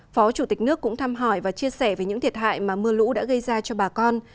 phó chủ tịch nước cũng thăm hỏi và chia sẻ về những thiệt hại mà mưa lũ đã gây ra cho bà con